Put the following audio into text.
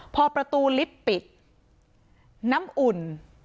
พอประตูลิฟต์ปิดน้ำอุ่น